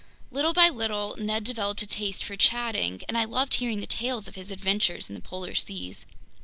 Little by little Ned developed a taste for chatting, and I loved hearing the tales of his adventures in the polar seas.